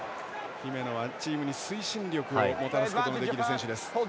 姫野はチームに推進力をもたらすことのできる選手です。